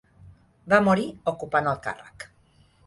Va morir ocupant el càrrec.